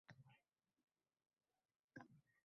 «Ismoil uylansa alohida yashaydimi